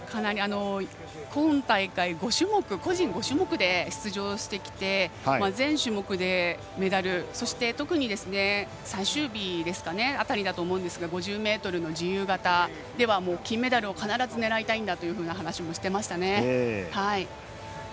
今大会個人５種目で出場してきて全種目で、メダルそして特に最終日辺りだと思いますが５０ｍの自由形では金メダルを必ず狙いたいんだという話もしていましたね。